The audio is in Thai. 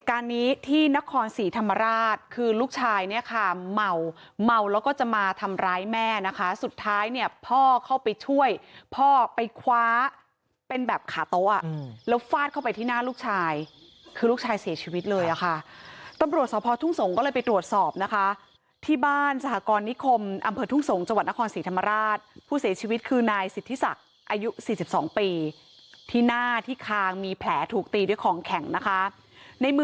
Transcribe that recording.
การนี้ที่นครศรีธรรมราชคือลูกชายเนี่ยค่ะเมาเมาแล้วก็จะมาทำร้ายแม่นะคะสุดท้ายเนี่ยพ่อเข้าไปช่วยพ่อไปคว้าเป็นแบบขาโต๊ะแล้วฟาดเข้าไปที่หน้าลูกชายคือลูกชายเสียชีวิตเลยค่ะตำรวจสภพทุ่งสงศ์ก็เลยไปตรวจสอบนะคะที่บ้านสหกรณิคมอำเภอทุ่งสงศ์จังหวัดนครศรีธรรมราชผู้เสียชีวิ